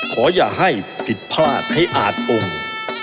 ขออย่าให้ผิดพลาดให้อาจองค์